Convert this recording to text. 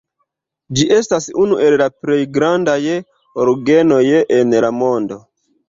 Ĝi estas unu el la plej grandaj orgenoj en la mondo.